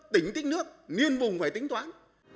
tỉnh tích nước nguyên vùng phải tính toán